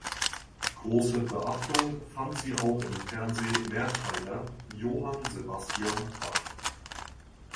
Große Beachtung fand sie auch im Fernseh-Mehrteiler "Johann Sebastian Bach".